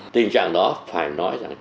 tình trạng đó phải nói rằng